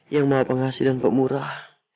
yang maha pengasih dan pemurah